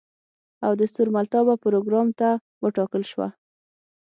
او د ستورملتابه پروګرام ته وټاکل شوه.